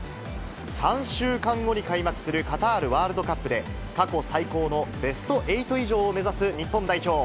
３週間後に開幕するカタールワールドカップで、過去最高のベスト８以上を目指す日本代表。